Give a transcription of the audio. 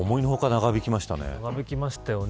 長引きましたよね。